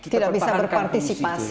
tidak bisa berpartisipasi